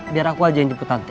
biar aku aja yang jemput nanti